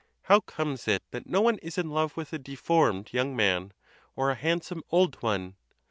How comes it that no one is in love with a deformed young man, or a handsome old one?